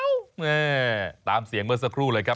แม่ตามเสียงเมื่อสักครู่เลยครับ